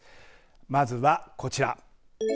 まずはこちら。